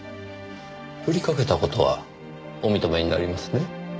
ふりかけた事はお認めになりますね？